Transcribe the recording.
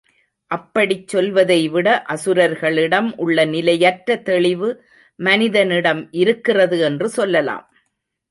அப்படிச் சொல்வதைவிட அசுரர்களிடம் உள்ள நிலையற்ற தெளிவு மனிதனிடம் இருக்கிறது என்று சொல்லலாம்.